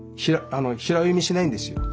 平読みしないんですよ。